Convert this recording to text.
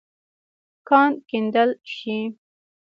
کان کیندل شې.